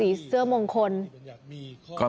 เสื้อมงคล